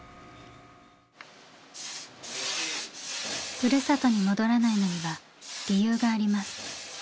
ふるさとに戻らないのには理由があります。